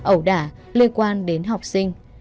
ẩu đả liên quan đến học sinh